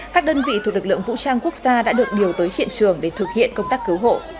các đơn vị thuộc lực lượng vũ trang quốc gia đã được điều tới hiện trường để thực hiện công tác cứu hộ